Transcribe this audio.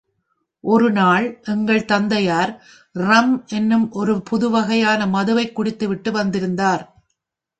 ஒரு நாள் எங்கள் தந்தையார் ரம் என்னும் ஒரு புது வகையான மதுவைக் குடித்து விட்டு வந்திருந்தார்.